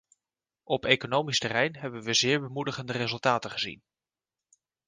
Op economisch terrein hebben we zeer bemoedigende resultaten gezien.